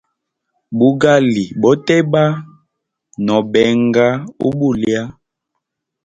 Bugali boteba, no benga ubulya.